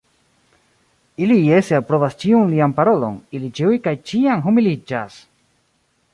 Ili jese aprobas ĉiun lian parolon, ili ĉiuj kaj ĉiam humiliĝas!